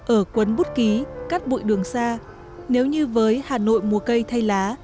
ở quấn bút ký cắt bụi đường xa nếu như với hà nội mùa cây thay lá